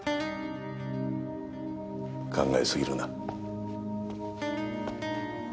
考えすぎるな。